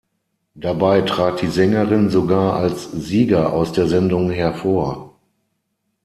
Dabei trat die Sängerin sogar als Sieger aus der Sendung hervor.